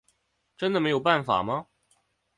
真的没有办法吗？